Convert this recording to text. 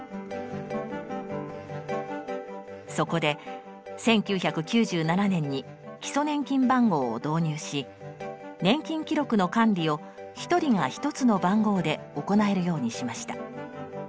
そこで１９９７年に基礎年金番号を導入し年金記録の管理を１人が１つの番号で行えるようにしました。